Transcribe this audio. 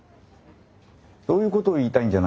そういうことを言いたいんじゃないんだよね